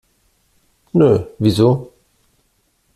Nö, wieso?